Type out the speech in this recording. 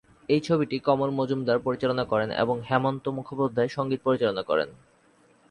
এই ছবিটি কমল মজুমদার পরিচালনা করেন এবং হেমন্ত মুখোপাধ্যায় সংগীত পরিচালনা করেন।